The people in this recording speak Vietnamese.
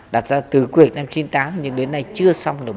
một trong những tiêu chí rất là khó để thực hiện được